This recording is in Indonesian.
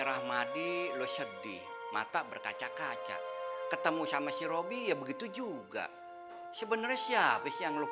rum mau masuk ke kamar dulu